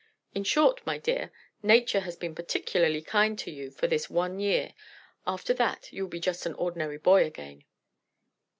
In short, my dear, Nature has been particularly kind to you for this one year; after that you'll be just an ordinary boy again."